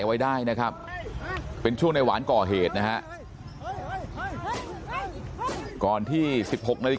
ไว้ได้นะครับเป็นช่วงในหวานก่อเหตุนะฮะก่อนที่๑๖นาฬิก